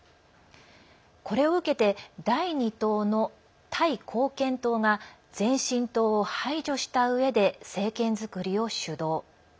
これを受けて第２党のタイ貢献党が前進党を排除したうえで政権作りを主導。